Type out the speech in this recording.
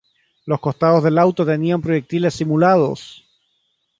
Los costados del auto tenían proyectiles simulados.